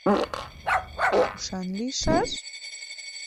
Кушан лийшаш?